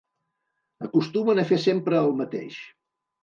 Acostumen a fer sempre el mateix.